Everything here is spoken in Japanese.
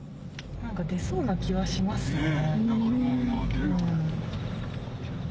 何か出そうな気はしますね。